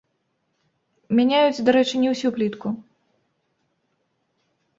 Мяняюць, дарэчы, не ўсю плітку.